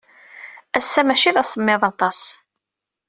Ass-a maci d asemmiḍ aṭas.